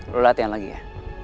lo latihan lagi ya